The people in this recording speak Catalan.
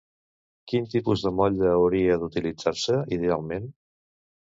Quin tipus de motlle hauria d'utilitzar-se, idealment?